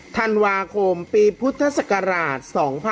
ธันวาคมปีพุทธศักราช๒๕๖๒